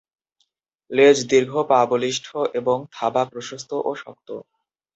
লেজ দীর্ঘ, পা বলিষ্ঠ এবং থাবা প্রশস্ত ও শক্ত।